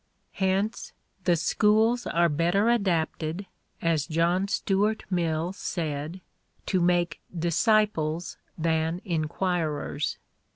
Hence the schools are better adapted, as John Stuart Mill said, to make disciples than inquirers.